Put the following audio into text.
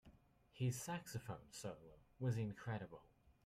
His saxophone solo was incredible.